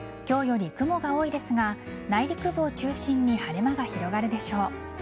今日より雲が多いですが内陸部を中心に晴れ間が広がるでしょう。